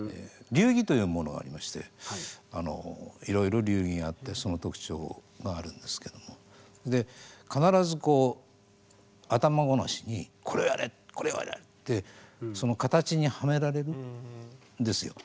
流儀というものがありましていろいろ流儀があってその特徴があるんですけども必ずこう頭ごなしにこれをやれこれをやれってその型にはめられるんですよ。